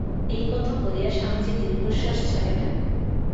এই কথা বলিয়া স্বামীজী দীর্ঘনিঃশ্বাস ছাড়িলেন।